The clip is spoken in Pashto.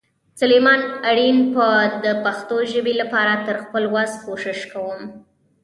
سلیمان آرین به د پښتو ژبې لپاره تر خپل وس کوشش کوم.